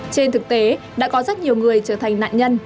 trên thực tế đã có rất nhiều người trở thành nạn nhân